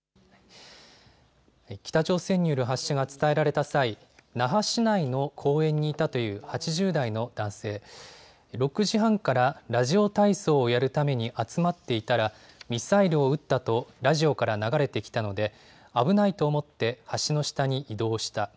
北朝鮮による発射が伝えられた際、那覇市内の公園にいたという８０代の男性、６時半からラジオ体操をやるために集まっていたらミサイルを撃ったとラジオから流れてきたので危ないと思って橋の下に移動した。